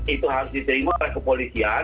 itu harus diterima oleh kepolisian